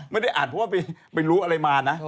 ไม่ได้อ่านเพราะว่าไปรู้อะไรมานะ